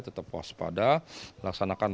tetap puas pada laksanakan